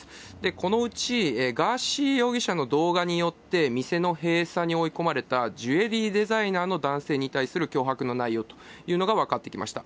このうちガーシー容疑者の動画によって店の閉鎖に追い込まれたジュエリーデザイナーの男性に対する脅迫の内容というのが分かってきました。